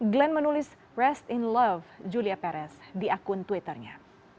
glenn menulis west in love julia perez di akun twitternya